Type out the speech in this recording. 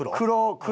黒？